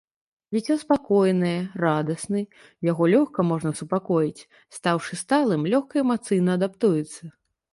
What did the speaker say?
Дзіцё спакойнае, радасны, яго лёгка можна супакоіць, стаўшы сталым, лёгка эмацыйна адаптуецца.